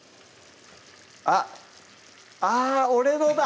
あっあ俺のだ！